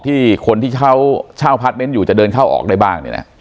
ที่คนที่เช่าผลัฐบัสเบ้นอยู่จะเดินเข้าออกได้บ้าง